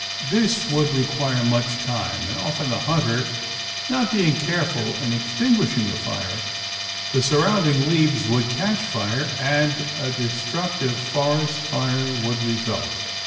This would require much time and often the hunter, not being careful in extinguishing the fire, the surrounding leaves would catch fire and a destructive forest fire would result.